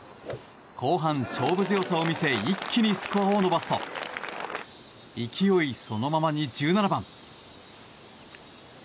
後半、勝負強さを見せ一気にスコアを伸ばすと勢いそのままに１７番。